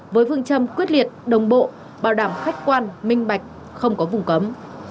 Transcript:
với phương châm quyết liệt đồng bộ bảo đảm khách quan minh bạch không có vùng cấm